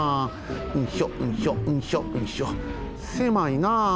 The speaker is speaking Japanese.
うんしょうんしょうんしょうんしょせまいな！